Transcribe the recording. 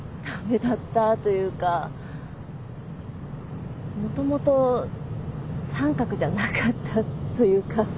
ダメだったというかもともと三角じゃなかったというか。